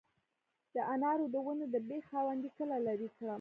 د انارو د ونې د بیخ خاوندې کله لرې کړم؟